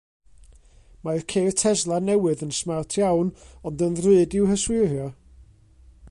Mae'r ceir Tesla newydd yn smart iawn ond yn ddrud i'w hyswirio.